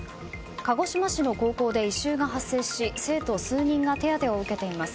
鹿児島市の高校で異臭が発生し生徒数人が手当てを受けています。